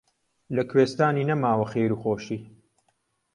لە کوێستانی نەماوە خێر و خۆشی